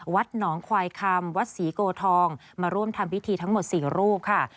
วัดหนองควายคำวัดศรีโกทองมาร่วมทำพิธีทั้งหมด๔รูปค่ะ